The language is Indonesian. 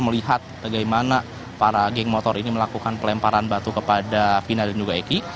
melihat bagaimana para geng motor ini melakukan pelemparan batu kepada final dan juga eki